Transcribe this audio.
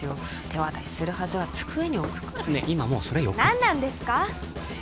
手渡しするはずが机に置くからねっ今もうそれ何なんですか？